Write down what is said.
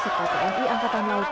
sekalian di angkatan laut